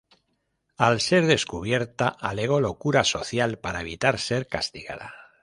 Al ser descubierta, alegó "locura social" para evitar ser castigada.